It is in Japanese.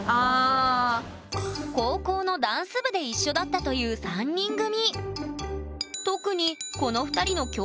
高校のダンス部で一緒だったという３人組。